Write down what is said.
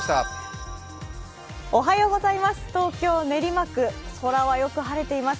東京・練馬区、空はよく晴れています。